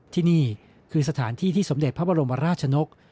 ที่นี่คือสถานที่ที่สมเด็จพระบรมราชนก